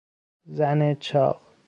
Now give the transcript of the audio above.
زن چاق